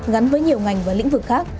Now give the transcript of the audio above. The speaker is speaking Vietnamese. gắn với nhiều ngành và lĩnh vực khác